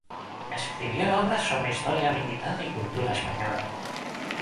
Escribió obras sobre historia militar y cultura española.